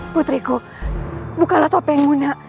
putriku bukalah topengmu nak